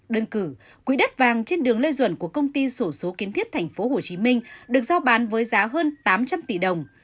đơn cử quỹ đất vàng trên đường lê duẩn của công ty sổ số kiến thiết tp hcm được giao bán với giá hơn tám trăm linh tỷ đồng